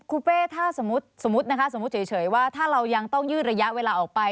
คุณเป้ถ้าสมมุตินะคะสมมุติเฉยว่าถ้าเรายังต้องยืดระยะเวลาออกไป